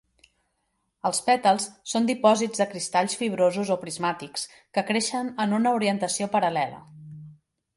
Els pètals són dipòsits de cristalls fibrosos o prismàtics que creixen en una orientació paral·lela.